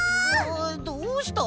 どうした？